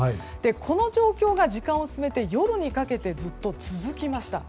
この状況が時間を進めて夜にかけてずっと続きました。